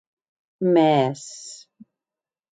Mès!